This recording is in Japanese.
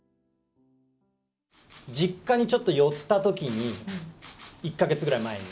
実家にちょっと寄ったときに、１か月ぐらい前に。